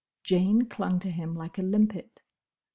Jane clung to him like a limpet.